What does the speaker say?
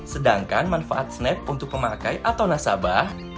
sedangkan manfaat snap untuk pemakai atau nasabah